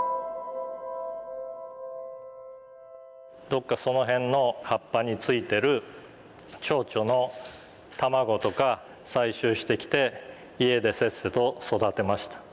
どっかその辺の葉っぱについてるチョウチョの卵とか採集してきて家でせっせと育てました。